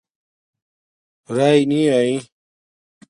رئ نی آئئ